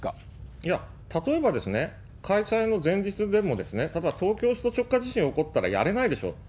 いや、例えばですね、開催の前日でも、例えば東京首都直下地震起こったらやれないでしょうと。